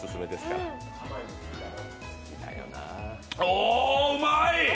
お、うまい！